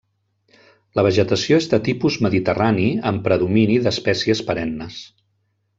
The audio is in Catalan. La vegetació és de tipus mediterrani, amb predomini d'espècies perennes.